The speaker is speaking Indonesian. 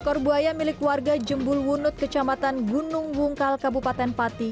skor buaya milik warga jembulwunut kecamatan gunung wungkal kabupaten pati